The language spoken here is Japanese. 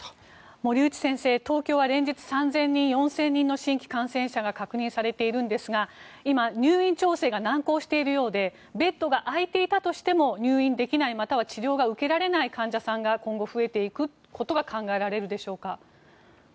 森内先生、東京は連日３０００人、４０００人の新規感染者が確認されているんですが今、入院調整が難航しているようでベッドが空いていたとしても入院できない、または治療が受けられない患者さんが今後、増えていくことが考えられるでしょうか。